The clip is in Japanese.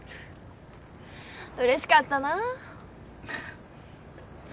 うれしかったなぁ。